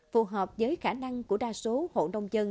phù hợp với khả năng của đa số hộ nông dân